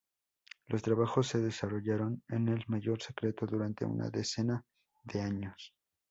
Los trabajos se desarrollaron en el mayor secreto durante una decena de años.